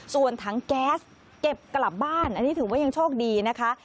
ส่วนถังแก๊สเก็บกลับบ้านอันนี้ถือว่ายังโชคดีนะคะ